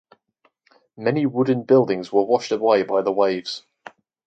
Many wooden buildings were washed away by the waves.